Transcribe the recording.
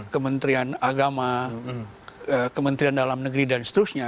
kementerian agama kementerian dalam negeri dan seterusnya